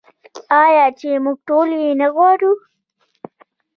آیا چې موږ ټول یې نه غواړو؟